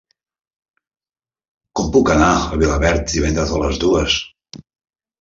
Com puc anar a Vilaverd divendres a les dues?